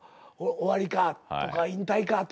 終わりかとか引退かとか。